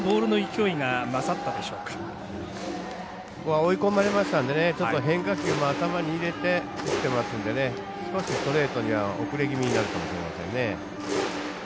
追い込まれましたのでちょっと変化球も頭に入れてきてますので少しストレートには遅れ気味になるかもしれませんね。